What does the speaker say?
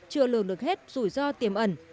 chưa lường được hết rủi ro tiềm ẩn